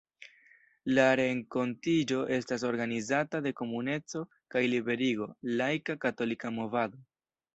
La renkontiĝo estas organizata de Komuneco kaj Liberigo, laika, katolika movado.